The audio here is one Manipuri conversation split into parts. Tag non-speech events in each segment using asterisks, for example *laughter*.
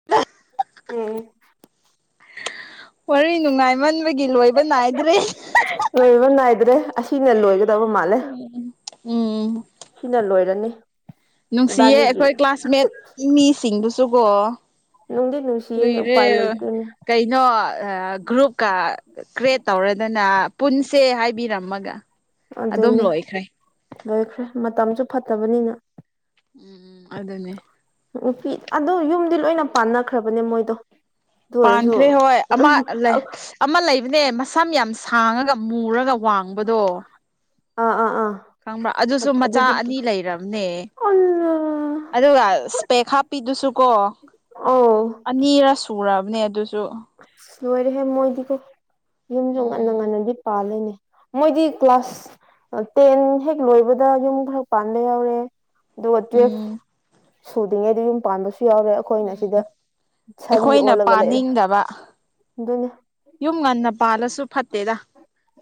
*inaudible* ꯎꯝ ꯋꯥꯔꯤ ꯅꯨꯡꯉꯥꯏꯃꯟꯕꯒꯤ ꯂꯣꯏꯕ ꯅꯥꯏꯗ꯭ꯔꯦ꯫ ꯂꯣꯏꯕ ꯅꯥꯏꯗ꯭ꯔꯦ ꯑꯁꯤꯅ ꯂꯣꯏꯒꯗꯕ ꯃꯥꯜꯂꯦ꯫ ꯎꯝ ꯁꯤꯅ ꯂꯣꯏꯔꯅꯤ꯫ ꯅꯨꯡꯁꯤꯌꯦ ꯏꯕꯥꯅꯤꯒꯤ ꯑꯩꯈꯣꯏ ꯀ꯭ꯂꯥꯁꯃꯦꯠ ꯃꯤꯁꯤꯡꯗꯨꯁꯨꯀꯣ ꯅꯨꯡꯗꯤ ꯅꯨꯡꯁꯤꯌꯦꯅꯦ ꯀꯨꯏꯔꯦ ꯎꯄꯥꯏ ꯂꯩꯇꯦꯅꯦ ꯀꯩꯅꯣ ꯒ꯭ꯔꯨꯞꯀ ꯀ꯭ꯔꯦꯠ ꯇꯧꯔꯗꯅ ꯄꯨꯟꯁꯦ ꯍꯥꯏꯕꯤꯔꯝꯃꯒ ꯑꯗꯨꯝ ꯑꯗꯨꯅꯦ ꯂꯣꯏꯈ꯭ꯔꯦ ꯂꯣꯏꯈ꯭ꯔꯦ ꯃꯇꯝꯁꯨ ꯐꯠꯇꯕꯅꯤꯅ ꯎꯝ ꯎꯝ ꯑꯗꯨꯗꯅꯦ ꯎꯄꯤ ꯑꯗꯣ ꯌꯨꯝꯗꯤ ꯂꯣꯏꯅ ꯄꯥꯟꯅꯈ꯭ꯔꯕꯅꯦ ꯃꯣꯏꯗꯣ ꯑꯗꯨ ꯑꯣꯏꯔꯁꯨ ꯄꯥꯟꯈ꯭ꯔꯦ ꯍꯣꯏ ꯑꯃ ꯂꯩ ꯑꯃ ꯂꯩꯕꯅꯦ ꯃꯁꯝ ꯌꯥꯝ ꯁꯥꯡꯉꯒ ꯃꯨꯔꯒ ꯋꯥꯡꯕꯗꯣ ꯑꯥ ꯑꯥ ꯑꯥ ꯈꯪꯕ꯭ꯔꯥ ꯑꯗꯨꯁꯨ ꯃꯆꯥ ꯑꯅꯤ ꯂꯩꯔꯕꯝꯅꯦ ꯑꯣꯜ ꯑꯗꯨꯒ ꯏꯁꯄꯦ ꯍꯥꯞꯄꯤꯗꯨꯁꯨ ꯀꯣ ꯑꯣ ꯑꯅꯤꯔ ꯁꯨꯔꯑꯕꯅꯦ ꯑꯗꯨꯁꯨ ꯑ ꯂꯣꯏꯔꯦꯍꯦ ꯃꯣꯏꯗꯤꯀꯣ ꯌꯨꯝꯁꯨ ꯉꯟꯅ ꯎꯝ ꯉꯟꯅꯗꯤ ꯄꯥꯜꯂꯤꯅꯦ ꯃꯣꯏꯗꯤ ꯀ꯭ꯂꯥꯁ ꯇꯦꯟ ꯍꯦꯛ ꯂꯣꯏꯕꯗ ꯌꯨꯝ ꯈꯔ ꯄꯥꯟꯕ ꯌꯥꯎꯔꯦ ꯑꯗꯨꯒ ꯇꯨꯋꯦꯜꯐ ꯎꯝ ꯁꯨꯗꯉꯩꯗ ꯌꯨꯝ ꯄꯥꯟꯕꯁꯨ ꯌꯥꯎꯔꯦ ꯑꯩꯈꯣꯏꯅ ꯎꯝ ꯁꯤꯗ ꯁꯥꯔꯤ ꯑꯩꯈꯣꯏꯅ ꯑꯣꯜꯂꯒ ꯂꯩꯔꯦ ꯄꯥꯅꯤꯡꯗꯕ ꯑꯗꯨꯅꯦ ꯌꯨꯝ ꯉꯟꯅ ꯄꯥꯜꯂꯁꯨ ꯐꯠꯇꯦꯗ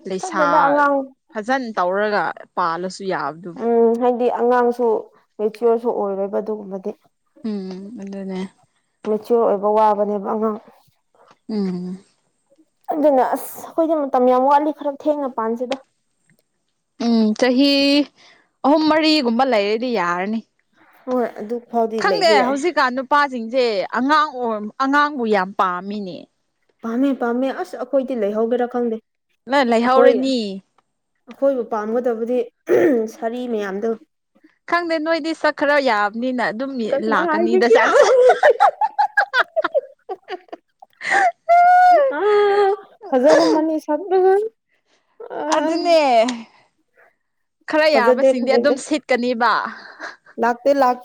ꯂꯩꯁꯥ ꯐꯠꯇꯦꯗ ꯑꯉꯥꯡ ꯐꯖꯟ ꯇꯧꯔꯒ ꯄꯥꯜꯂꯁꯨ ꯌꯥꯕꯗꯨꯕ ꯎꯝ ꯍꯥꯏꯗꯤ ꯑꯉꯥꯡꯁꯨ ꯃꯦꯆꯌꯣꯔꯁꯨ ꯑꯣꯏꯔꯣꯏꯕ ꯑꯗꯨꯒꯨꯝꯕꯗꯤ ꯎꯝ ꯑꯗꯨꯗꯅꯦ ꯃꯦꯆꯤꯌꯣꯔ ꯑꯣꯏꯕ ꯋꯥꯕꯅꯦꯕ ꯑꯉꯥꯡ ꯎꯝ ꯑꯗꯨꯅ ꯑꯁ ꯑꯩꯈꯣꯏꯗꯤ ꯃꯇꯝ ꯌꯥꯝ ꯋꯥꯠꯂꯤ ꯈꯔ ꯊꯦꯡꯅ ꯄꯥꯟꯁꯤꯗ ꯎꯝ ꯆꯍꯤ ꯑꯍꯨꯝ ꯃꯔꯤꯒꯨꯝꯕ ꯂꯩꯔꯗꯤ ꯌꯥꯔꯅꯤ ꯍꯣꯏ ꯑꯗꯨ ꯐꯥꯎꯗꯤ ꯈꯪꯗꯦ ꯂꯩꯕ ꯌꯥꯏ ꯍꯧꯖꯤꯛꯀꯥꯟ ꯅꯨꯄꯥꯁꯤꯡꯁꯦ ꯑꯉꯥꯡ ꯑꯣꯏ ꯑꯉꯥꯡꯕꯨ ꯌꯥꯝ ꯄꯥꯝꯃꯤꯅꯦ ꯄꯥꯝꯃꯦ ꯄꯥꯝꯃꯦ ꯑꯁ ꯑꯩꯈꯣꯏꯗꯤ ꯂꯩꯍꯧꯒꯦꯔꯥ ꯈꯪꯗꯦ ꯂꯣꯏ ꯑꯩꯈꯣꯏ ꯂꯩꯍꯧꯔꯅꯤ ꯑꯩꯈꯣꯏꯕꯨ ꯄꯥꯝꯒꯗꯕꯗꯤ ꯁꯥꯔꯤ ꯃꯌꯥꯝꯗꯣ ꯈꯪꯗꯦ ꯅꯣꯏꯗꯤ ꯁꯛ ꯈꯔ ꯌꯥꯕꯅꯤꯅ ꯑꯗꯨꯝ ꯂꯥꯛꯀꯅꯤꯗ *inaudible* ꯑ ꯍꯖ ꯔ ꯃꯅꯤ ꯁ ꯑꯗꯨꯅꯦ ꯈꯔ ꯐꯖꯗꯦ ꯌꯥꯕꯁꯤꯡꯗꯤ ꯑꯗꯨꯝ ꯁꯤꯠꯀꯅꯤꯕ ꯂꯥꯛꯇ ꯂꯥꯛ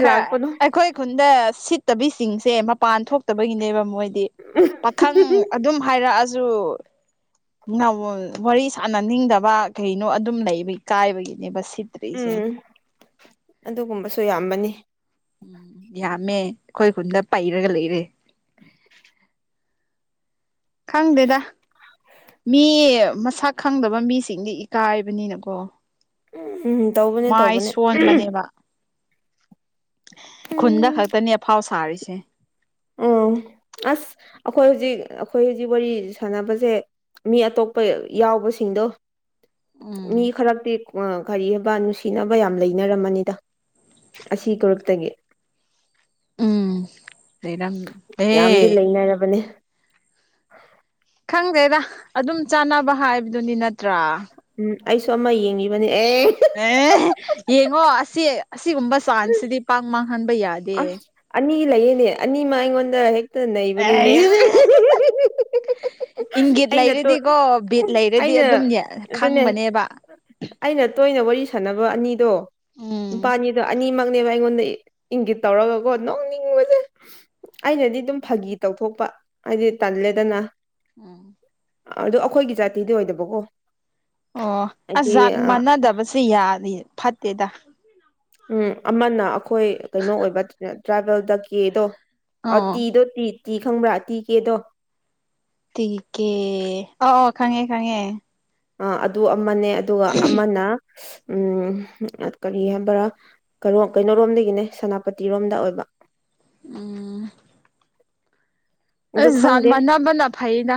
ꯈꯈꯣꯏ ꯈꯨꯟꯗ ꯁꯤꯠꯇꯕꯤꯁꯤꯡꯁꯦ ꯃꯄꯥꯟ ꯊꯣꯛꯇꯕꯒꯤꯅꯦꯕ ꯃꯣꯏꯗꯤ ꯄꯥꯈꯪ ꯑꯗꯨꯝ ꯍꯥꯏꯔꯛꯑꯁꯨ *inaudible* ꯋꯥꯔꯤ ꯁꯅꯅꯤꯡꯗꯕ ꯀꯩꯅꯣ ꯑꯗꯨꯝ ꯂꯩꯕ ꯀꯥꯏꯕꯒꯤꯅꯦꯕ ꯁꯤꯠꯇ꯭ꯔꯤꯁꯦ ꯎꯝ ꯑꯗꯨꯒꯨꯝꯕꯁꯨ ꯌꯥꯝꯕꯅꯤ ꯎꯝ ꯌꯥꯝꯃꯦ ꯑꯩꯈꯣꯏ ꯈꯨꯟꯗ ꯄꯩꯔꯒ ꯂꯩꯔꯦ ꯎꯝ ꯈꯪꯗꯦꯗ ꯃꯤ ꯃꯁꯛ ꯈꯪꯗꯕ ꯃꯤꯁꯤꯡꯗꯤ ꯏꯀꯥꯏꯕꯅꯤꯅꯀꯣ ꯎꯝ ꯇꯧꯕꯅꯦ ꯃꯥꯏ ꯇꯧꯕꯅꯦ ꯁꯣꯟꯕꯅꯦꯕ ꯈꯨꯟꯗ ꯈꯛꯇꯅꯦ ꯑꯐꯥꯎ ꯁꯥꯔꯤꯁꯦ ꯎ ꯑꯁ ꯑꯩꯈꯣꯏ ꯍꯧꯖꯤꯛ ꯑꯩꯈꯣꯏ ꯍꯧꯖꯤꯛ ꯋꯥꯔꯤ ꯁꯥꯟꯅꯕꯁꯦ ꯃꯤ ꯑꯇꯣꯞꯄ ꯌꯥꯎꯕꯁꯤꯡꯗꯣ ꯎꯝ ꯃꯤ ꯈꯔꯛꯇꯤ ꯑ ꯀꯔꯤ ꯍꯥꯏꯕ ꯅꯨꯡꯁꯤꯅꯕ ꯌꯥꯝ ꯂꯩꯅꯔꯝꯃꯅꯤꯗ ꯑꯁꯤ ꯒ꯭ꯔꯨꯞꯇꯒꯤ ꯎꯝ ꯁꯤꯔꯝ ꯌꯥꯝꯗꯤ ꯑꯦ ꯂꯩꯅꯔꯕꯅꯦ ꯈꯪꯗꯦꯗ ꯑꯗꯨꯝ ꯆꯥꯅꯕ ꯍꯥꯏꯕꯗꯨꯅꯤ ꯅꯠꯇ꯭ꯔꯥ ꯎꯝ ꯑꯩꯁꯨ ꯑꯃ ꯌꯦꯡꯉꯤꯕꯅꯤ ꯑꯦ ꯑꯦ ꯌꯦꯡꯉꯣ ꯑꯁꯤ ꯑꯁꯤꯒꯨꯝꯕ ꯆꯥꯟꯁꯁꯤꯗꯤ ꯄꯥꯛ ꯃꯥꯡꯍꯟꯕ ꯌꯥꯗꯦ ꯑꯁ ꯑꯅꯤ ꯂꯩꯌꯦꯅꯦ ꯑꯅꯤꯃ ꯑꯩꯉꯣꯟꯗ ꯍꯦꯛꯇ ꯅꯩꯕꯅꯤꯅꯦ ꯑꯩ ꯏꯪꯒꯤꯠ ꯑꯩꯅ ꯇꯣ ꯂꯩꯔꯗꯤꯀꯣ ꯕꯤꯠ ꯂꯩꯔꯗꯤ ꯑꯩꯅ ꯑꯗꯨꯝꯅꯦ ꯑꯗꯨꯅꯦ ꯈꯪꯕꯅꯦꯕ ꯑꯩꯅ ꯇꯣꯏꯅ ꯋꯥꯔꯤ ꯁꯥꯟꯅꯕ ꯑꯅꯤꯗꯣ ꯎꯝ ꯅꯨꯄꯥꯅꯤꯗꯣ ꯑꯅꯤꯃꯛꯅꯦꯕ ꯑꯩꯉꯣꯟꯗ ꯏꯪꯒꯤꯠ ꯇꯧꯔꯒꯀꯣ ꯅꯣꯡꯅꯤꯡꯕꯁꯦ ꯑꯩꯅꯗꯤ ꯑꯗꯨꯝ ꯐꯥꯒꯤ ꯇꯧꯊꯣꯛꯄ ꯍꯥꯏꯗꯤ ꯇꯜꯂꯦꯗꯅ ꯎꯝ ꯑꯗꯨ ꯑꯩꯈꯣꯏꯒꯤ ꯖꯥꯇꯤꯗ ꯑꯣꯏꯗꯕꯀꯣ ꯑꯣ ꯍꯥꯏꯗꯤ ꯑꯁꯖꯥ ꯃꯥꯟꯅꯗꯕꯁꯦ ꯌꯥꯅꯤ ꯐꯠꯇꯦꯗ ꯎꯝ ꯑꯃꯅ ꯑꯩꯈꯣꯏ ꯀꯩꯅꯣ ꯑꯣꯏꯕ ꯇ꯭ꯔꯥꯏꯕꯦꯜꯗ ꯀꯦꯗꯣ ꯑ ꯑꯣ ꯇꯤꯗꯣ ꯇꯤ ꯇꯤ ꯈꯪꯕ꯭ꯔꯥ ꯇꯤ ꯀꯦꯗꯣ ꯇꯤꯀꯦ ꯑꯣ ꯑꯣ ꯈꯉꯦ ꯈꯉꯦ ꯑ ꯑꯗꯨ ꯑꯃꯅꯦ ꯑꯗꯨꯒ ꯑꯃꯅ ꯎꯝ ꯀꯔꯤ ꯍꯥꯏꯕꯔꯥ ꯀꯣꯔꯣ ꯀꯩꯅꯣꯔꯣꯝꯗꯒꯤꯅꯦ ꯁꯦꯅꯥꯄꯇꯤꯔꯣꯝꯗ ꯑꯣꯏꯕ ꯎꯝ ꯑꯗꯨ ꯑꯖ ꯖꯥꯠ ꯈꯪꯗꯦ ꯃꯅꯥꯕꯅꯥ ꯐꯩꯏꯅ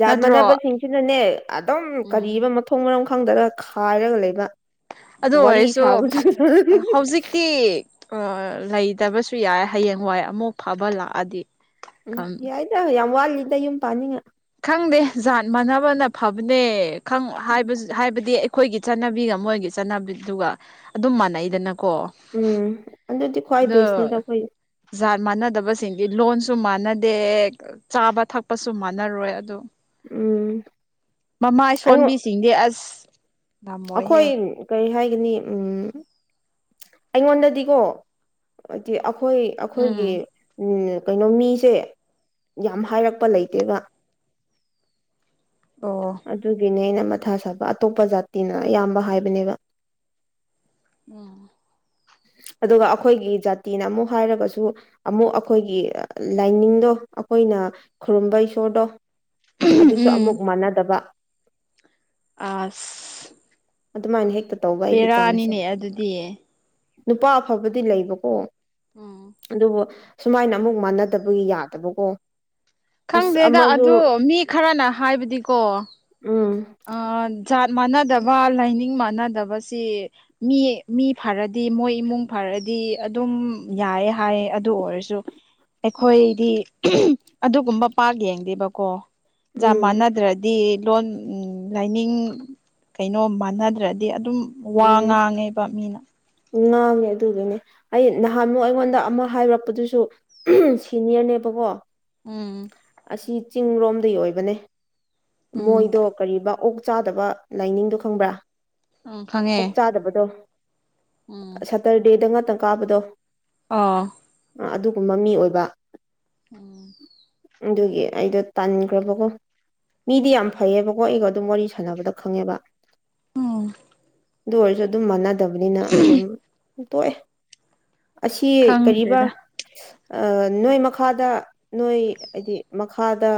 ꯖꯍꯥꯠ ꯃꯥꯟꯅꯕꯁꯤꯡꯁꯤꯅꯅꯦ ꯑꯗꯨꯝ ꯎꯝ ꯀꯔꯤꯕ ꯃꯊꯨ ꯊꯣꯡ ꯃꯔꯝ ꯈꯪꯗꯔꯒ ꯈꯥꯏꯔꯒ ꯂꯩꯕ ꯋꯥꯔꯤ ꯁꯥꯕꯁꯨ ꯇꯤ ꯑ ꯂꯩꯇꯕꯁꯨ ꯌꯥꯏ ꯍꯌꯦꯡꯋꯥꯏ ꯑꯃꯨꯛ ꯐꯕ ꯂꯥꯛꯑꯗꯤ ꯎꯝ ꯌꯥꯏꯗ ꯌꯥꯝ ꯋꯥꯠꯂꯤꯗ ꯌꯨꯝ ꯄꯥꯅꯤꯉꯥ ꯈꯪꯗꯦ ꯖꯍꯥꯠ ꯃꯥꯟꯅꯕꯅ ꯐꯕꯅꯦ ꯈꯪ ꯍꯥꯏꯕꯖ-ꯍꯥꯏꯕꯗꯤ ꯑꯩꯈꯣꯏꯒꯤ ꯆꯠꯅꯕꯤꯒ ꯃꯣꯏꯒꯤ ꯆꯠꯅꯕꯤꯗꯨꯒ ꯑꯗꯨꯝ ꯃꯥꯟꯅꯩꯗꯅꯀꯣ ꯎꯝ ꯑꯗꯨꯗꯤ ꯈ꯭ꯋꯥꯏ ꯑꯗꯣ ꯕꯦꯁꯅꯤꯗ ꯑꯩꯈꯣꯏ ꯖꯥꯠ ꯃꯥꯟꯅꯗꯕꯁꯤꯡꯗꯤ ꯂꯣꯟꯁꯨ ꯃꯥꯟꯅꯗꯦ ꯆꯥꯕ ꯊꯛꯄꯁꯨ ꯃꯥꯟꯅꯔꯣꯏ ꯑꯗꯨ ꯎꯝ ꯃꯃꯥꯏ ꯑꯩꯉꯣꯟ ꯁꯣꯟꯕꯤꯁꯤꯡꯗꯤ ꯑꯁ ꯑꯩꯈꯣꯏ ꯉꯝꯃꯣꯏꯍꯦ ꯀꯔꯤ ꯍꯥꯏꯒꯅꯤ ꯎꯝ ꯑꯩꯉꯣꯟꯗꯗꯤꯀꯣ ꯍꯥꯏꯗꯤ ꯑꯩꯈꯣꯏ ꯑꯩꯈꯣꯏꯒꯤ ꯎꯝ ꯎꯝ ꯀꯩꯅꯣ ꯃꯤꯁꯦ ꯌꯥꯝ ꯍꯥꯏꯔꯛꯄ ꯂꯩꯇꯦꯕ ꯑꯣ ꯑꯗꯨꯒꯤꯅꯦ ꯑꯩꯅ ꯃꯊꯥ ꯁꯥꯕ ꯑꯇꯣꯞꯄ ꯖꯥꯇꯤꯅ ꯑꯌꯥꯝꯕ ꯍꯥꯏꯕꯅꯦꯕ ꯎꯝ ꯑꯗꯨꯒ ꯑꯩꯈꯣꯏꯒꯤ ꯖꯥꯇꯤꯅ ꯑꯃꯨꯛ ꯍꯥꯏꯔꯒꯁꯨ ꯑꯃꯨꯛ ꯑꯩꯈꯣꯏꯒꯤ ꯂꯥꯏꯅꯤꯡꯗꯣ ꯑꯩꯈꯣꯏꯅ ꯈꯨꯔꯨꯝꯕ ꯏꯁꯣꯔꯗꯣ ꯑꯗꯨꯁꯨ ꯑꯃꯨꯛ ꯎꯝ ꯃꯥꯟꯅꯗꯕ ꯑꯁ ꯑꯗꯨꯃꯥꯏꯅ ꯍꯦꯛꯇ ꯇꯧꯕ ꯑꯩꯒꯤ ꯆꯥꯟꯁꯁꯦ ꯕꯦꯔꯥꯅꯤꯅꯦ ꯑꯗꯨꯗꯤ ꯅꯨꯄꯥ ꯑꯐꯕꯗꯤ ꯂꯩꯕꯀꯣ ꯎꯝ ꯑꯗꯨꯕꯨ ꯁꯨꯃꯥꯏꯅ ꯑꯃꯨꯛ ꯃꯥꯟꯅꯗꯕꯒꯤ ꯌꯥꯗꯕꯀꯣ ꯑꯁ ꯈꯪꯗꯦꯗ ꯑꯃꯁꯨ ꯑꯗꯨ ꯃꯤ ꯈꯔꯅ ꯍꯥꯏꯕꯗꯤꯀꯣ ꯎꯝ ꯑ ꯖꯥꯠ ꯃꯥꯟꯅꯗꯕ ꯂꯥꯏꯅꯤꯡ ꯃꯥꯟꯅꯗꯕꯁꯤ ꯃꯤ ꯃꯤ ꯐꯔꯗꯤ ꯃꯣꯏ ꯏꯃꯨꯡ ꯐꯔꯗꯤ ꯑꯗꯨꯝ ꯌꯥꯏꯌꯦ ꯍꯥꯏ ꯑꯗꯨ ꯑꯣꯏꯔꯁꯨ *inaudible* ꯑꯩꯈꯣꯏꯗꯤ ꯑꯗꯨꯒꯨꯝꯕ ꯄꯥꯛ ꯌꯦꯡꯗꯦꯕꯀꯣ ꯖꯥꯠ ꯎꯝ ꯃꯥꯟꯅꯗ꯭ꯔꯗꯤ ꯗꯤ ꯂꯣꯟ ꯂꯥꯏꯅꯤꯡ ꯀꯩꯅꯣ ꯃꯥꯟꯅꯗ꯭ꯔꯗꯤ ꯑꯗꯨꯝ ꯋꯥ ꯎꯝ ꯉꯥꯡꯉꯦꯕ ꯃꯤꯅ ꯉꯥꯡꯉꯦ ꯑꯗꯨꯒꯤꯅꯦ ꯑꯩ ꯅꯍꯥꯟꯛ ꯑꯩꯉꯣꯟꯗ ꯑꯃ ꯍꯥꯏꯔꯛꯄꯗꯨꯁꯨ ꯁꯤꯅꯤꯌꯔꯅꯦꯕꯀꯣ ꯎꯝ ꯑꯁꯤ ꯆꯤꯡꯔꯣꯝꯗꯒꯤ ꯑꯣꯏꯕꯅꯦ ꯎꯝ ꯃꯣꯏꯗꯣ ꯀꯔꯤꯕꯥ ꯑꯣꯛ ꯆꯥꯗꯕ ꯂꯥꯏꯅꯤꯡꯗꯣ ꯈꯪꯕ꯭ꯔꯥ ꯎꯝ ꯑꯣꯛ ꯈꯪꯉꯦ ꯆꯥꯗꯕꯗꯣ ꯎꯝ ꯇꯔꯗꯦꯗ *inaudible* ꯉꯥꯛꯇꯪ ꯀꯥꯕꯗꯣ ꯑꯥ ꯑꯗꯨꯒꯨꯝꯕ ꯃꯤ ꯑꯣꯏꯕ ꯎꯝ ꯑꯗꯨꯒꯤ ꯑꯩꯗꯣ ꯇꯥꯟꯈ꯭ꯔꯕꯀꯣ ꯃꯤꯗꯤ ꯌꯥꯝ ꯐꯩꯌꯦꯕꯀꯣ ꯑꯩꯒ ꯑꯗꯨꯝ ꯋꯥꯔꯤ ꯁꯥꯟꯅꯕꯗ ꯈꯪꯉꯦꯕ ꯎꯝ ꯑꯗꯨ ꯑꯣꯏꯔꯁꯨ ꯑꯗꯨꯝ ꯃꯥꯟꯅꯗꯕꯅꯤꯅ ꯑꯗꯨꯝ ꯇꯣꯛꯑꯦ ꯑꯁꯤ ꯀꯔꯤꯕ ꯈꯪꯗꯦꯗ ꯅꯣꯏ ꯃꯈꯥꯗ ꯅꯣꯏ ꯍꯥꯏꯗꯤ ꯃꯈꯥꯗ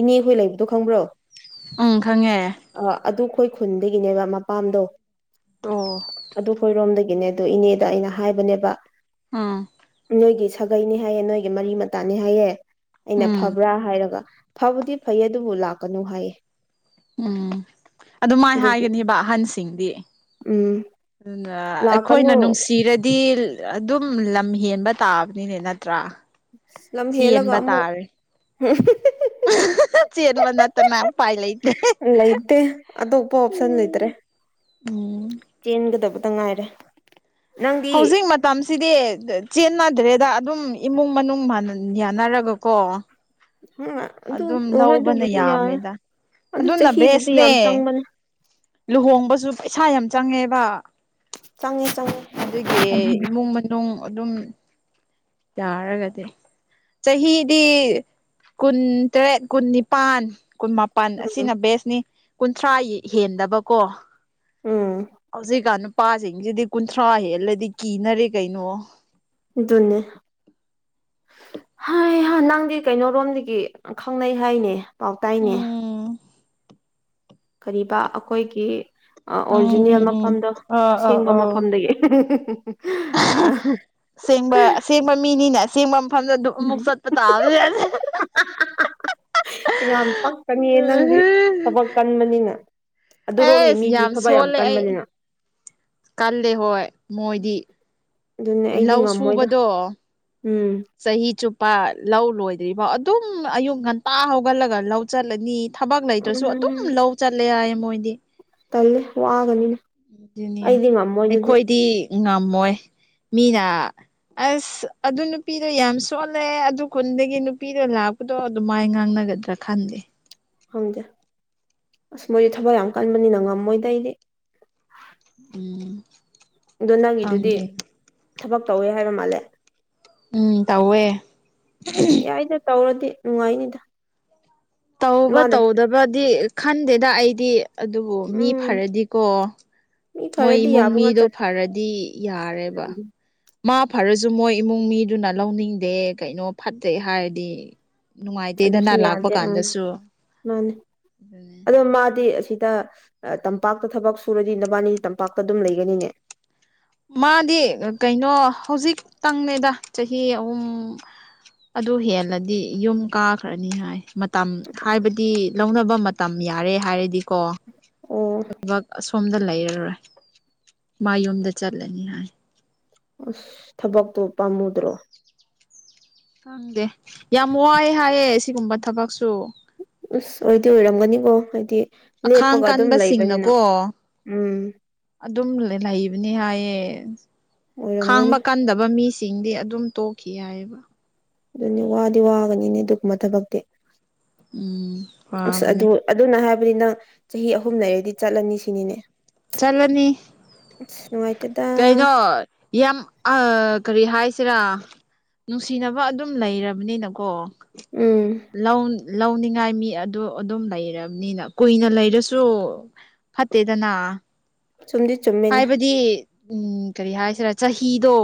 ꯏꯅꯦꯍꯣꯏ ꯂꯩꯕꯗꯣ ꯈꯪꯕ꯭ꯔꯣ ꯎꯝ ꯈꯪꯉꯦ ꯑ ꯑꯗꯨꯈꯣꯏ ꯈꯨꯟꯗꯒꯤꯅꯦꯕ ꯃꯄꯥꯝꯗꯣ ꯑꯣ ꯑꯗꯨ ꯑꯩꯈꯣꯏꯔꯣꯝꯗꯒꯤꯅꯦ ꯑꯗꯨ ꯏꯅꯦꯗ ꯑꯩꯅ ꯍꯥꯏꯕꯅꯦꯕ ꯑꯥ ꯅꯣꯏꯒꯤ ꯁꯥꯒꯩꯅꯦ ꯍꯥꯏꯌꯦ ꯅꯣꯏꯒꯤ ꯃꯔꯤ ꯃꯇꯥꯅꯦ ꯍꯥꯏꯌꯦ ꯑꯩꯅ ꯎꯝ ꯐꯕ꯭ꯔꯥ ꯍꯥꯏꯔꯒ ꯐꯕꯨꯗꯤ ꯐꯩ ꯑꯗꯨꯕꯨ ꯂꯥꯛꯀꯅꯨ ꯍꯥꯏꯌꯦ ꯎꯝ ꯑꯗꯨ ꯃꯥꯏ ꯑꯗꯨꯗꯤ ꯍꯥꯏꯒꯅꯦꯕ ꯑꯍꯟꯁꯤꯡꯗꯤ ꯎꯝ ꯑꯗꯨꯅ ꯑꯩꯈꯣꯏꯅ ꯂꯥꯛꯀꯅꯨ ꯅꯨꯡꯁꯤꯔꯗꯤ ꯗꯤ ꯑꯗꯨꯝ ꯂꯝ ꯍꯦꯟꯕ ꯇꯥꯕꯅꯤꯅꯦ ꯅꯠꯇ꯭ꯔꯥ ꯅꯝ ꯍꯦꯜꯂꯒ ꯆꯦꯟꯕ ꯑꯃꯨꯛ ꯇꯥꯔꯦ ꯆꯦꯟꯕ ꯅꯠꯇꯅ ꯎꯄꯥꯢ ꯂꯩꯇꯦ ꯂꯩꯇꯦ ꯑꯇꯣꯞꯄ ꯑꯣꯞꯁꯟ ꯂꯩꯇ꯭ꯔꯦ ꯎꯝ ꯆꯦꯟꯒꯗꯕꯇ ꯉꯥꯏꯔꯦ ꯅꯪꯗꯤ ꯍꯧꯖꯤꯛ ꯃꯇꯝꯁꯤꯗꯤ ꯆꯦꯟꯅꯗ꯭ꯔꯦꯗ ꯑꯗꯨꯝ ꯏꯃꯨꯡ ꯃꯅꯨꯡ ꯌꯥꯅꯔꯒꯀꯣ ꯎꯝ ꯑꯗꯨ ꯑꯗꯨꯝ ꯍꯣꯏ ꯂꯧꯕꯅ ꯑꯗꯨꯕꯨꯗꯤ ꯌꯥꯔꯦ ꯌꯥꯝꯃꯦꯗ ꯑꯗꯨ ꯑꯗꯨꯅ ꯆꯍꯤꯕꯨꯗꯤ ꯕꯦꯁꯅꯦ ꯌꯥꯝ ꯆꯪꯕꯅꯦ ꯂꯨꯍꯣꯡꯕꯁꯨ ꯄꯩꯁꯥ ꯌꯥꯝ ꯆꯪꯉꯦꯕ ꯆꯪꯉꯦ ꯆꯪꯉꯦ ꯑꯗꯨꯒꯤ ꯏꯃꯨꯡ ꯃꯅꯨꯡ ꯑꯗꯨꯝ ꯌꯥꯔꯒꯗꯤ ꯆꯍꯤꯗꯤ ꯀꯨꯟ ꯇꯔꯦꯠ ꯀꯨꯟ ꯅꯤꯄꯥꯟ ꯀꯨꯟꯄ ꯄꯥꯟ ꯎꯝ ꯑꯁꯤꯅ ꯕꯦꯁꯅꯤ ꯀꯨꯟꯊ꯭ꯔꯥ ꯍꯦꯟꯗꯕꯀꯣ ꯎꯝ ꯍꯧꯖꯤꯛꯀꯥꯟ ꯅꯨꯄꯥꯁꯤꯡꯁꯤꯗꯤ ꯀꯨꯟꯊ꯭ꯔꯥ ꯍꯦꯜꯂꯗꯤ ꯀꯤꯅꯔꯦ ꯀꯩꯅꯣ ꯑꯗꯨꯅꯦ ꯍꯥꯏ ꯅꯪꯗꯤ ꯀꯩꯅꯣꯔꯣꯝꯗꯒꯤ ꯈꯪꯅꯩ ꯍꯥꯏꯅꯦ ꯄꯥꯎꯇꯥꯏꯅꯦ ꯎꯝ ꯀꯔꯤꯕꯥ ꯑꯩꯈꯣꯏꯒꯤ ꯑ ꯎꯝ ꯑꯣꯔꯤꯖꯤꯅꯦꯜ ꯎꯝ ꯎꯝ ꯃꯐꯝꯗꯣ ꯑ ꯑ ꯑꯁꯦꯡꯕ ꯑ ꯃꯐꯝꯗꯒꯤ ꯑꯁꯦꯡꯕ ꯑꯁꯦꯡꯕ ꯃꯤꯅꯤꯅꯦ ꯑꯁꯦꯡꯕ ꯃꯐꯝꯗ ꯑꯃꯨꯛ ꯆꯠꯄ ꯇꯕꯅꯤꯅꯦ ꯌꯥꯝ ꯄꯛꯀꯅꯤ ꯅꯪꯗꯤ ꯊꯕꯛ ꯀꯟꯕꯅꯤꯅ ꯑꯗꯨꯔꯣꯝꯒꯤ ꯑꯦꯁ ꯃꯤꯁꯨ ꯊꯕꯛ ꯌꯥꯝ ꯁꯣꯜꯂꯦ ꯑꯩ ꯀꯟꯕꯅꯤꯅ ꯀꯜꯂꯦ ꯍꯣꯏ ꯃꯣꯏꯗꯤ ꯑꯗꯨꯅꯦ ꯑꯩꯗꯤ ꯂꯧ ꯉꯝꯃꯣꯏꯗ ꯁꯨꯕꯗꯣ ꯎꯝ ꯆꯍꯤ ꯆꯨꯞꯄ ꯂꯧ ꯂꯣꯏꯗ꯭ꯔꯤꯐꯥꯎ ꯑꯗꯨꯝ ꯑꯌꯨꯛ ꯉꯟꯇꯥ ꯍꯧꯒꯠꯂꯒ ꯂꯧ ꯆꯠꯂꯅꯤ ꯊꯕꯛ ꯂꯩꯇ꯭ꯔꯁꯨ ꯑꯗꯨꯝ ꯎꯝ ꯂꯧ ꯆꯠꯂꯦ ꯍꯥꯏꯌꯦ ꯃꯣꯏꯗꯤ ꯇꯜꯂꯦ ꯋꯥꯒꯅꯤ ꯑꯗꯨꯅꯤ ꯑꯩꯈꯣꯏꯗꯤ ꯉꯝꯃꯣꯏ ꯃꯤꯅ ꯑꯁ ꯑꯗꯨ ꯅꯨꯄꯤꯗꯣ ꯌꯥꯝ ꯁꯣꯜꯂꯦ ꯑꯗꯨ ꯈꯨꯟꯗꯒꯤ ꯅꯨꯄꯤꯗꯣ ꯂꯥ ꯑꯗꯣ ꯑꯗꯨꯝ ꯃꯥꯏ ꯉꯥꯡꯅꯒꯗ꯭ꯔꯥ ꯈꯪꯗꯦ ꯈꯪꯗꯦ ꯑꯁ ꯃꯣꯏꯗꯤ ꯊꯕꯛ ꯌꯥꯝ ꯀꯟꯕꯅꯤꯅ ꯉꯝꯃꯣꯏꯗ ꯑꯩꯗꯤ ꯎꯝ ꯑꯗꯣ ꯅꯪꯒꯤꯗꯨꯗꯤ ꯈꯪꯗꯦ ꯊꯕꯛ ꯇꯧꯋꯦ ꯍꯥꯏꯕ ꯃꯥꯜꯂꯦ ꯎꯝ ꯇꯧꯋꯦ ꯌꯥꯏꯗ ꯇꯧꯔꯗꯤ ꯅꯨꯡꯉꯥꯏꯅꯤꯗ ꯇꯧꯕ ꯃꯥꯅ ꯇꯧꯗꯕꯗꯤ ꯈꯟꯗꯦꯗ ꯑꯩꯗꯤ ꯑꯗꯨꯕꯨ ꯃꯤ ꯎꯝ ꯐꯔꯗꯤꯀꯣ ꯃꯤ ꯃꯣꯏ ꯐꯔꯗꯤ ꯏꯃꯨꯡ ꯌꯥꯕ ꯃꯤꯗꯣ ꯉꯥꯛꯇꯅꯤ ꯐꯔꯗꯤ ꯌꯥꯔꯦꯕ ꯃꯥ ꯐꯔꯁꯨ ꯃꯣꯏ ꯏꯃꯨꯡ ꯃꯤꯗꯨꯅ ꯂꯧꯅꯤꯡꯗꯦ ꯀꯩꯅꯣ ꯐꯠꯇꯦ ꯍꯥꯏꯔꯗꯤ ꯑꯗꯨꯁꯨ ꯅꯨꯡꯉꯥꯏꯇꯦꯗꯅ ꯂꯥꯛꯄ ꯌꯥꯗꯦ ꯎꯝ ꯀꯥꯟꯗꯁꯨ ꯃꯥꯅꯦ ꯑꯗꯨꯅꯦ ꯑꯗꯣ ꯃꯥꯗꯤ ꯑꯁꯤꯗ ꯇꯝꯄꯥꯛꯇ ꯊꯕꯛ ꯁꯨꯔꯗꯤ ꯅꯕꯥꯅꯤꯗꯤ ꯇꯝꯄꯥꯛꯇ ꯑꯗꯨꯝ ꯂꯩꯒꯅꯤꯅꯦ ꯃꯥꯗꯤ ꯀꯩꯅꯣ ꯍꯧꯖꯤꯛꯛꯇꯪꯅꯦꯗ ꯆꯍꯤ ꯑꯍꯨꯝ ꯑꯗꯨ ꯍꯦꯜꯂꯗꯤ ꯌꯨꯝ ꯀꯥꯈ꯭ꯔꯅꯤ ꯍꯥꯏ ꯃꯇꯝ ꯍꯥꯏꯕꯗꯤ ꯂꯧꯅꯕ ꯇꯝ ꯌꯥꯔꯦ ꯍꯥꯏꯔꯗꯤꯀꯣ ꯑꯣ ꯊꯕꯛ ꯑꯁꯣꯝꯗ ꯂꯩꯔꯔꯣꯏ ꯃꯥ ꯌꯨꯝꯗ ꯆꯠꯂꯅꯤ ꯍꯥꯏ ꯑꯁ ꯊꯕꯛꯇꯣ ꯄꯥꯝꯃꯨꯗ꯭ꯔꯣ ꯈꯪꯗꯦ ꯌꯥꯝ ꯋꯥꯏ ꯍꯥꯏꯌꯦ ꯁꯤꯒꯨꯝꯕ ꯊꯕꯛꯁꯨ ꯑꯁ ꯑꯣꯏꯗꯤ ꯑꯣꯏꯔꯝꯒꯅꯤꯀꯣ ꯍꯥꯏꯗꯤ ꯑꯈꯥꯡ ꯂꯦꯞꯄꯒ ꯑꯗꯨꯝ ꯂꯩꯕꯅꯤꯅ ꯀꯟꯕꯁꯤꯡꯅꯀꯣ ꯎꯝ ꯑꯗꯨꯝ ꯂꯩꯕꯅꯤ ꯍꯥꯏꯌꯦ ꯑꯣꯏꯔꯝꯒꯅꯤ ꯈꯥꯡꯕ ꯀꯟꯗꯕ ꯃꯤꯁ ꯆꯤꯡꯗꯤ ꯑꯗꯨꯝ ꯇꯣꯛꯈꯤ ꯌꯥꯏꯑꯕ ꯑꯗꯨꯅꯤ ꯋꯥꯗꯤ ꯋꯥꯒꯅꯤꯅꯦ ꯑꯗꯨꯒꯨꯝꯕ ꯊꯕꯛꯇꯤ ꯎꯝ ꯑꯁ ꯋꯕꯅꯤ ꯑꯗꯨ ꯑꯗꯨꯅ ꯍꯥꯏꯕꯗꯤ ꯅꯪ ꯆꯍꯤ ꯑꯍꯨꯝ ꯂꯩꯔꯗꯤ ꯆꯠꯂꯅꯤ ꯁꯤꯅꯤꯅꯦ ꯆꯂꯅꯤ *unintelligible* ꯅꯨꯡꯉꯥꯏꯇꯦꯗ ꯀꯩꯅꯣ ꯌꯥꯝ ꯑꯥ ꯀꯔꯤ ꯍꯥꯏꯁꯤꯔꯥ ꯅꯨꯡꯁꯤꯅꯕ ꯑꯗꯨꯝ ꯂꯩꯔꯕꯅꯤꯅꯀꯣ ꯎꯝ ꯂꯧ ꯂꯧꯅꯤꯡꯉꯥꯏ ꯃꯤ ꯑꯗꯨ ꯑꯗꯨꯝ ꯂꯩꯔꯕꯅꯤꯅ ꯀꯨꯏꯅ ꯂꯩꯔꯁꯨ ꯐꯠꯇꯦꯗꯅꯥ ꯆꯨꯝꯗꯤ ꯆꯨꯝ ꯍꯥꯏꯕꯗꯤ ꯎꯝ ꯀꯔꯤ ꯍꯥꯏꯁꯤꯔꯥ ꯆꯍꯤꯗꯣ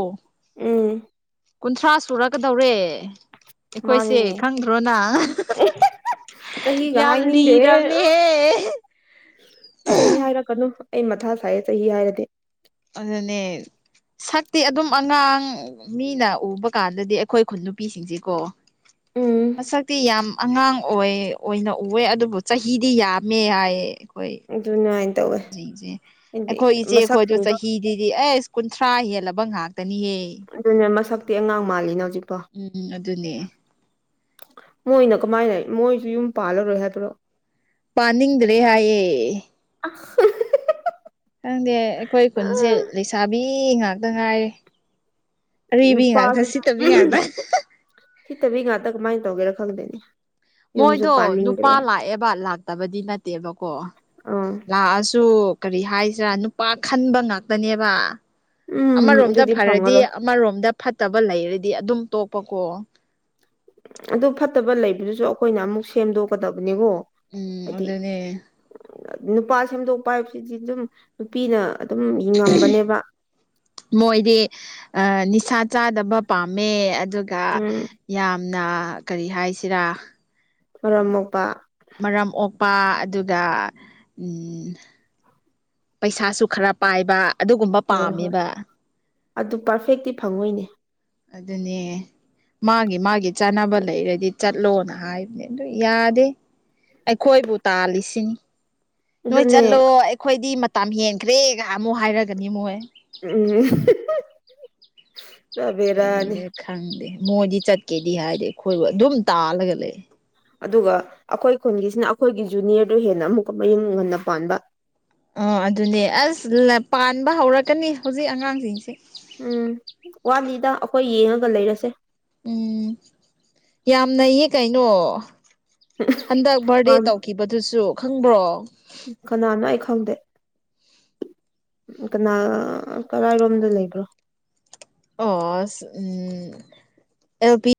ꯎꯝ ꯀꯨꯟꯊ꯭ꯔꯥ ꯁꯨꯔꯀꯗꯧꯔꯦ ꯑꯩꯈꯣꯏꯁꯦ ꯃꯥꯅꯤꯅꯦ ꯈꯪꯗ꯭ꯔꯣꯅ ꯆꯍꯤꯒ ꯌꯥꯝ ꯍꯥꯏꯅꯤꯡꯗꯦꯍꯦ ꯂꯤꯔꯕꯅꯤꯍꯦ ꯆꯍꯤ ꯍꯥꯏꯔꯛꯀꯥꯅꯨ ꯑꯩ ꯃꯊꯥ ꯁꯥꯏꯌꯦ ꯆꯍꯤ ꯍꯥꯏꯔꯗꯤ ꯑꯗꯨꯅꯦ ꯁꯛꯇꯤ ꯑꯗꯨꯝ ꯑꯉꯥꯡ ꯃꯤꯅ ꯎꯕ ꯀꯥꯟꯗꯗꯤ ꯑꯩꯈꯣꯏ ꯈꯨꯟ ꯅꯨꯄꯤꯁꯤꯡꯁꯤꯀꯣ ꯎꯝ ꯃꯁꯛꯇꯤ ꯌꯥꯝ ꯑꯉꯥꯡ ꯑꯣꯏ ꯑꯣꯏꯅ ꯎꯋꯦ ꯑꯗꯨꯕꯨ ꯆꯍꯤꯗꯤ ꯌꯥꯝꯃꯦ ꯍꯥꯏ ꯑꯩꯈꯣꯏ ꯑꯗꯨꯃꯥꯏꯅ ꯇꯧꯋꯦ ꯍꯥꯏꯗꯤ ꯑꯩꯈꯣꯏ ꯏꯆꯦ ꯑꯩꯈꯣꯏꯗ ꯃꯁꯛꯁꯤꯡꯗꯣ ꯍꯤꯗꯗꯤ ꯑꯩꯁ ꯀꯨꯟꯊ꯭ꯔꯥ ꯍꯦꯜꯂꯕ ꯉꯥꯛꯇꯅꯤꯍꯦ ꯑꯗꯨꯅꯦ ꯃꯁꯛꯇꯤ ꯑꯉꯥꯡ ꯃꯥꯜꯂꯤꯅꯦ ꯍꯧꯖꯤꯛꯄꯣ ꯎꯝ ꯑꯗꯨꯅꯦ ꯃꯣꯏꯅ ꯀꯃꯥꯏꯅ ꯃꯣꯏꯁꯨ ꯌꯨꯝ ꯄꯥꯜꯂꯔꯣꯏ ꯍꯥꯏꯕ꯭ꯔꯣ ꯄꯥꯅꯤꯡꯗ꯭ꯔꯦ ꯍꯥꯏꯌꯦ *unintelligible* ꯈꯪꯗꯦ ꯑꯩꯈꯣꯏ ꯈꯨꯟꯁꯦ ꯂꯩꯁꯥꯕꯤ ꯉꯥꯛꯇ ꯉꯥꯏꯔꯦ ꯑꯔꯤꯕꯤ ꯉꯥꯛꯇ ꯅꯨꯄꯥꯁꯤꯁꯨ ꯁꯤꯠꯇꯕꯤ ꯉꯥꯛꯇ ꯁꯤꯠꯇꯕꯤ ꯉꯥꯛꯇ ꯀꯃꯥꯏꯟ ꯇꯧꯒꯦꯔꯥ ꯈꯪꯗꯦꯅꯦ ꯌꯨꯝꯁꯨ ꯃꯣꯏꯗꯣ ꯄꯥꯅꯤꯡꯗ꯭ꯔꯦ ꯅꯨꯄꯥ ꯂꯥꯛꯑꯦꯕ ꯂꯥꯛꯇꯕꯗꯤ ꯅꯠꯇꯦꯕꯀꯣ ꯑꯥ ꯂꯥꯛꯑꯁꯨ ꯀꯔꯤ ꯍꯥꯏꯁꯤꯔꯥ ꯅꯨꯄꯥ ꯈꯟꯕ ꯉꯥꯛꯇꯅꯦꯕ ꯎꯝ ꯑꯃꯔꯣꯝꯗ ꯑꯗꯨꯗꯤ ꯐꯔꯗꯤ ꯐꯪꯉꯔꯣꯏ ꯑꯃꯔꯣꯝꯗ ꯐꯠꯇꯕ ꯂꯩꯔꯗꯤ ꯑꯗꯨꯝ ꯇꯣꯛꯄꯀꯣ ꯑꯗꯨ ꯐꯠꯇꯕ ꯂꯩꯕꯗꯨꯁꯨ ꯑꯩꯈꯣꯏꯅ ꯑꯃꯨꯛ ꯁꯦꯝꯗꯣꯛꯀꯗꯕꯅꯤꯀꯣ ꯎꯝ ꯍꯥꯏꯗꯤ ꯑꯗꯨꯗꯅꯦ ꯅꯨꯄꯥ ꯁꯦꯝꯗꯣꯛꯄ ꯍꯥꯏꯕꯁꯤꯗꯤ ꯑꯗꯨꯝ ꯅꯨꯄꯤꯅ ꯑꯗꯨꯝ ꯌꯦꯡꯉꯝꯕꯅꯦꯕ ꯃꯣꯏꯗꯤ ꯑ ꯅꯤꯁꯥ ꯆꯥꯗꯕ ꯄꯥꯝꯃꯦ ꯑꯗꯨꯒ ꯎꯝ ꯌꯥꯝꯅ ꯀꯔꯤ ꯍꯥꯏꯁꯤꯔꯥ ꯃꯔꯝ ꯃꯣꯛꯄ ꯃꯔꯝ ꯑꯣꯛꯄ ꯑꯗꯨꯒ ꯄꯩꯁꯥꯁꯨ ꯈꯔ ꯄꯥꯏꯕ ꯑꯗꯨꯒꯨꯝꯕ ꯍꯣꯏ ꯍꯣꯏ ꯄꯥꯝꯃꯦꯕ ꯑꯗꯨ ꯄꯥꯔꯐꯦꯛꯇꯤ ꯐꯪꯉꯣꯏꯅꯦ ꯑꯗꯨꯅꯦ ꯃꯥꯒꯤ ꯃꯥꯒꯤ ꯆꯥꯅꯕ ꯂꯩꯔꯗꯤ ꯆꯠꯂꯣꯅ ꯍꯥꯏꯕꯅꯦ ꯑꯗꯨ ꯌꯥꯗꯦ ꯑꯩꯈꯣꯏꯕꯨ ꯇꯥꯜꯂꯤꯁꯤꯅꯤ ꯅꯣꯏ ꯑꯗꯨꯅꯦ ꯆꯠꯂꯣ ꯑꯩꯈꯣꯏꯗꯤ ꯃꯇꯝ ꯍꯦꯟꯈ꯭ꯔꯦꯒ ꯑꯃꯨꯛ ꯍꯥꯏꯔꯒꯅꯤ ꯃꯣꯏ ꯎꯝ ꯕꯦꯔꯥꯅꯤ ꯀꯔꯤꯗ ꯈꯪꯗꯦ ꯃꯣꯏꯗꯤ ꯆꯠꯀꯦꯗꯤ ꯍꯥꯏꯗꯤ ꯑꯩꯈꯣꯏꯕꯨ ꯑꯗꯨꯝ ꯇꯥꯜꯂꯒ ꯂꯩ ꯑꯗꯨꯒ ꯑꯩꯈꯣꯏ ꯈꯨꯟꯒꯤꯁꯤꯅ ꯑꯩꯈꯣꯏꯒꯤ ꯖꯨꯅꯤꯌꯔꯗꯨ ꯍꯦꯟꯅ ꯑꯃꯨꯛꯀ ꯃꯌꯨꯝ ꯉꯟꯅ ꯄꯥꯟꯕ ꯑꯣ ꯑꯗꯨꯅꯦ ꯑꯁ ꯄꯥꯟꯕ ꯍꯧꯔꯛꯀꯅꯤ ꯍꯧꯖꯤꯛ ꯑꯉꯥꯡꯁꯤꯡꯁꯦ ꯎꯝ ꯋꯥꯂꯤꯗ ꯑꯩꯈꯣꯏ ꯌꯦꯡꯉꯒ ꯂꯩꯔꯁꯦ ꯎꯝ ꯌꯥꯝꯅꯩꯌꯦ ꯀꯩꯅꯣ ꯍꯟꯗꯛ ꯕꯥꯔꯗꯦ ꯇꯧꯈꯤꯕꯗꯨꯁꯨ ꯈꯪꯕ꯭ꯔꯣ ꯎ ꯀꯅꯥꯅ ꯑꯩ ꯈꯪꯗꯦ ꯀꯅꯥ ꯀꯔꯥꯏꯔꯣꯝꯗ ꯂꯩꯕ꯭ꯔꯣ ꯑꯣ ꯎꯝ ꯑꯦꯜ ꯄꯤ